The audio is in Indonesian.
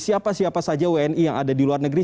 siapa siapa saja wni yang ada di luar negeri